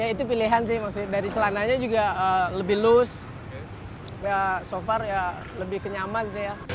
itu pilihan dari celananya juga lebih loose so far lebih kenyaman